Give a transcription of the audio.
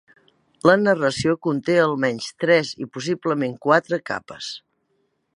La narració conté almenys tres i possiblement quatre capes.